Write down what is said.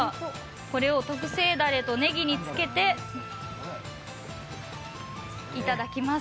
これを特製だれとねぎにつけていただきます。